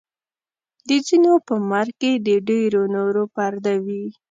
د ځینو په مرګ کې د ډېرو نورو پرده وي.